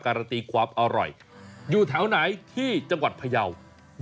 การันตีความอร่อยอยู่แถวไหนที่จังหวัดพยาว